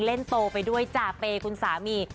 เล่นโตไปด้วยจ่าเปย์คุณสามี